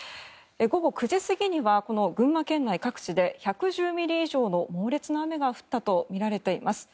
午後９時過ぎには群馬県内各地で１１０ミリ以上の猛烈な雨が降ったとみられています。